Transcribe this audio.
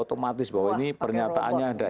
otomatis bahwa ini pernyataannya ada